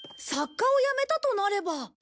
作家をやめたとなれば。